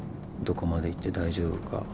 どこまで言って大丈夫か。